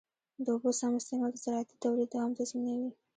د اوبو سم استعمال د زراعتي تولید دوام تضمینوي.